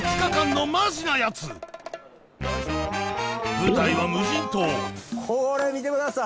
舞台は無人島これ見てください。